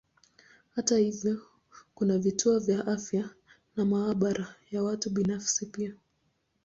Hata hivyo kuna vituo vya afya na maabara ya watu binafsi pia.